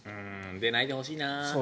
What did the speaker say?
出ないでほしいな。